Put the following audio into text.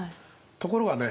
ところがね